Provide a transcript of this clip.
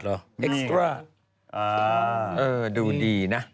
อย่างเดือน